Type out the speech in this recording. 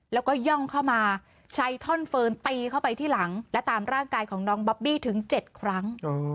แล้วก็ย่องเข้ามาใช้ท่อนเฟิร์นตีเข้าไปที่หลังและตามร่างกายของน้องบอบบี้ถึง๗ครั้ง